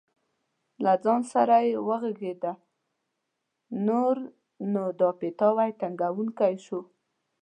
له ځان سره یې وغږېده: نور نو دا پیتاوی هم تنګوونکی شو.